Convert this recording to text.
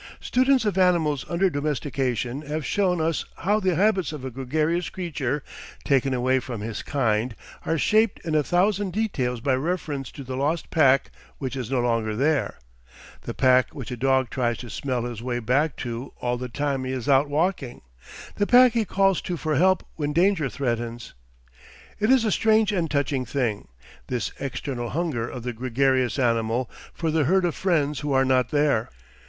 Students of animals under domestication have shown us how the habits of a gregarious creature, taken away from his kind, are shaped in a thousand details by reference to the lost pack which is no longer there the pack which a dog tries to smell his way back to all the time he is out walking, the pack he calls to for help when danger threatens. It is a strange and touching thing, this eternal hunger of the gregarious animal for the herd of friends who are not there.